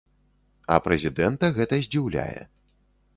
А прэзідэнта гэта здзіўляе.